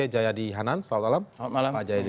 jayadi hanan selamat malam pak jayadi